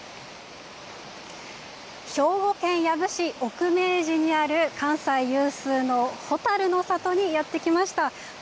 兵庫県養父市奥米地にある関西有数の蛍の里にやってきました。